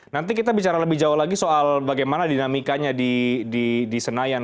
nanti kita bicara lebih jauh lagi soal bagaimana dinamikanya di senayan